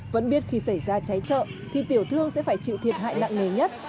trước hết khi xảy ra cháy chợ thì tiểu thương sẽ phải chịu thiệt hại nặng nghề nhất